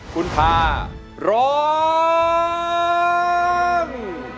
ขุนพาร้อม